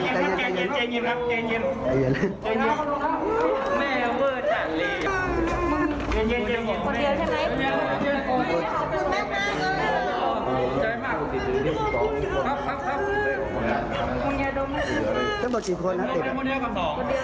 ครับครับครับ